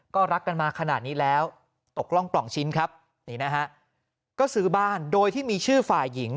ก็รักกันมาขนาดนี้แล้วตกร่องปล่องชิ้นครับนี่นะฮะก็ซื้อบ้านโดยที่มีชื่อฝ่ายหญิง